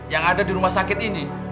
yang ada di rumah sakit ini